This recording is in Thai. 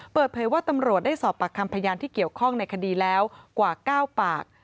เปิดเผยว่าตำรวจได้สอบปากคำพยานที่เกี่ยวข้องในคดีแล้วกว่า๙ปาก